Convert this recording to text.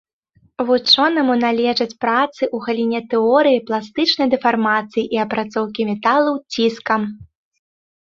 Вучонаму належаць працы ў галіне тэорыі пластычнай дэфармацыі і апрацоўкі металаў ціскам.